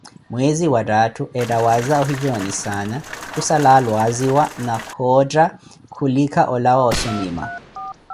Mweze wa thaathu, eetha waza ohitxonissana, khussala alwaziwa na khootha, khulika ólawa ossomima